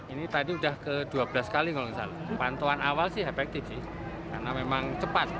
ini tadi udah ke dua belas kali kalau nggak salah pantauan awal sih efektif sih karena memang cepat